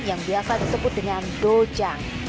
yang biasa disebut dengan dojang